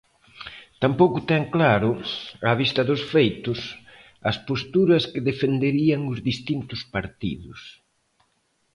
Tampouco ten claro, á vista dos feitos, as posturas que defenderían os distintos partidos.